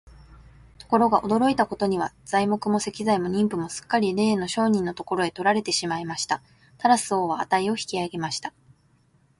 ところが、驚いたことには、材木も石材も人夫もすっかりれいの商人のところへ取られてしまいました。タラス王は価を引き上げました。